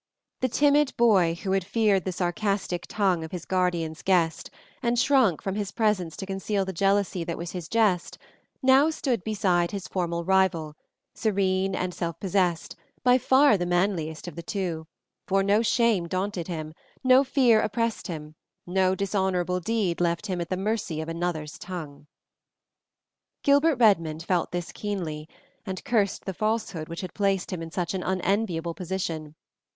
The timid boy who had feared the sarcastic tongue of his guardian's guest, and shrunk from his presence to conceal the jealousy that was his jest, now stood beside his formal rival, serene and self possessed, by far the manliest man of the two, for no shame daunted him, no fear oppressed him, no dishonorable deed left him at the mercy of another's tongue. Gilbert Redmond felt this keenly, and cursed the falsehood which had placed him in such an unenviable position.